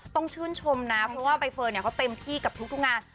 ต้องชื่นชมนะเพราะว่าใบเฟิร์นเขาเต็มที่กับทุกงาน